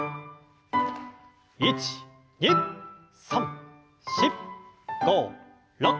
１２３４５６。